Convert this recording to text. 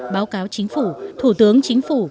báo cáo chính phủ thủ tướng chính phủ